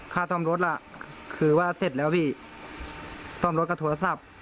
ค่าซ่อมรถล่ะคือว่าเสร็จแล้วพี่ซ่อมรถกับโทรศัพท์